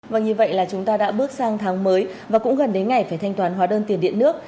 và như vậy là chúng ta đã bước sang tháng mới và cũng gần đến ngày phải thanh toán hóa đơn tiền điện nước